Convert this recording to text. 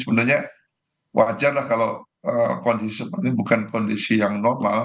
sebenarnya wajarlah kalau kondisi seperti ini bukan kondisi yang normal